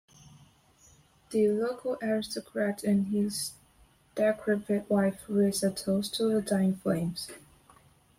The local aristocrat and his decrepit wife raise a toast to the dying flames.